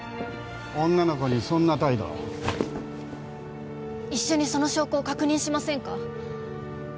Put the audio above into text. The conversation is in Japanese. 女の子にそんな態度一緒にその証拠を確認しませんか？